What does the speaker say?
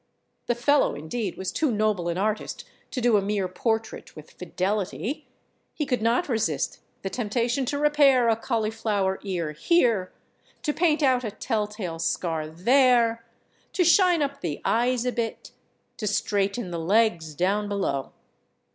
The fellow, indeed, was too noble an artist to do a mere portrait with fidelity; he could not resist the temptation to repair a cauliflower ear here, to paint out a tell tale scar there, to shine up the eyes a bit, to straighten the legs down below.